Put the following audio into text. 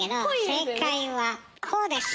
正解はこうです。